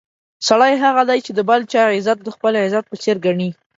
سړی هغه دی چې د بل چا عزت د خپل عزت په څېر ګڼي.